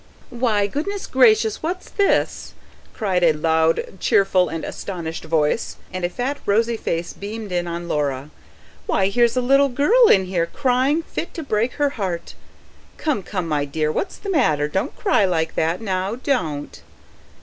"Why, goodness gracious, what's this?" cried a loud, cheerful and astonished voice, and a fat, rosy face beamed in on Laura. "Why, here's a little girl in here, cryin' fit to break 'er heart. Come, come, my dear, what's the matter? Don't cry like that, now don't."